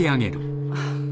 ああ。